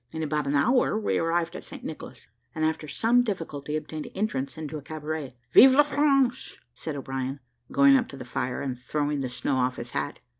In about an hour we arrived at St. Nicholas, and after some difficulty obtained entrance into a cabaret. "Vive la France!" said O'Brien, going up to the fire, and throwing the snow off his hat.